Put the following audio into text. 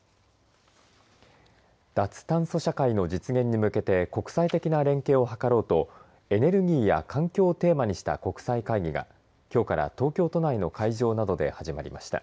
脱炭素社会の実現に向けて国際的な連携を図ろうとエネルギーや環境をテーマにした国際会議がきょうから東京都内の会場などで始まりました。